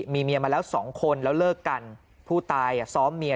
มีเมียมาแล้วสองคนแล้วเลิกกันผู้ตายซ้อมเมีย